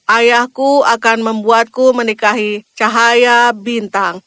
ayahku akan membuatku menikahi cahaya bintang